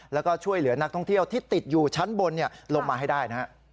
แล้วก็ช่วยเหลือนักท่องเที่ยวที่ติดอยู่ชั้นบนลงมาให้ได้นะฮะ